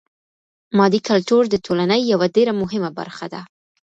مادي کلتور د ټولني يوه ډېره مهمه برخه ده.